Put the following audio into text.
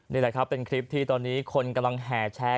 นี่แหละครับเป็นคลิปที่ตอนนี้คนกำลังแห่แชร์